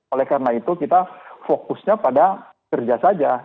oleh karena itu kita fokusnya pada kerja saja